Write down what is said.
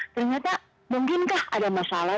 ternyata mungkinkah ada masalah